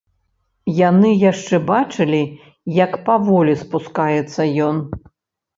Яны яшчэ бачылі, як паволі спускаецца ён.